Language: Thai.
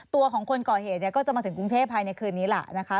ตัวของคนก่อเหตุก็จะมาถึงกรุงเทพภายในคืนนี้ล่ะนะคะ